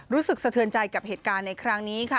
สะเทือนใจกับเหตุการณ์ในครั้งนี้ค่ะ